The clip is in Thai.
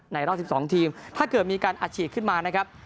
รอบ๑๒ทีมถ้าเกิดมีการอัดฉีดขึ้นมานะครับ